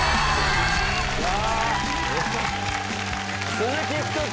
鈴木福君